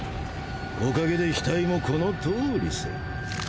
おかげで額もこの通りさ。